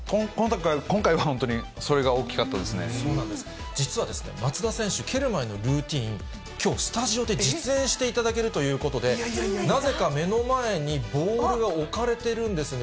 今回は本当に、それが大きか実はですね、松田選手、蹴る前のルーティン、きょう、スタジオで実演していただけるということで、なぜか目の前にボールが置かれてるんですね。